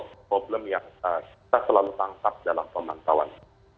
jadi itu adalah problem yang kita selalu tangkap dalam pemantauan